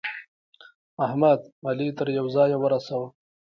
احمد؛ علي تر يوه ځايه ورساوو.